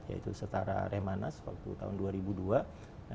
yaitu setara remhanas waktu tahun dua ribu dua